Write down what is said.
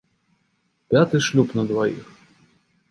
Пяты шлюб на дваіх.